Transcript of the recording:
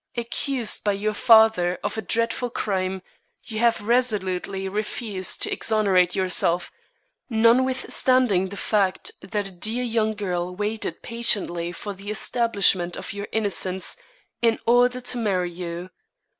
Accused by your father of a dreadful crime, you have resolutely refused to exonerate yourself, notwithstanding the fact that a dear young girl waited patiently for the establishment of your innocence in order to marry you.